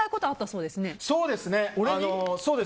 そうですね。